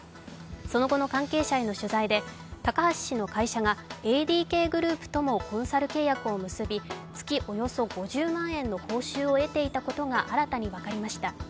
その後の関係者への取材で、高橋氏の会社がＡＤＫグループともコンサル契約を結び、月およそ５０万円の報酬を得ていたことが新たに分かりました。